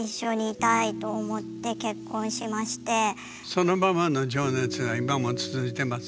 そのままの情熱が今も続いてます？